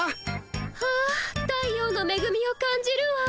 は太陽のめぐみを感じるわ。